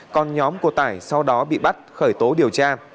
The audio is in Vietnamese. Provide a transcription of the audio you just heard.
còn nhóm của tải sau đó bị bắt khởi tố điều tra